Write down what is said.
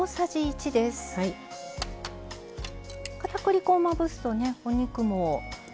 かたくり粉をまぶすとお肉も。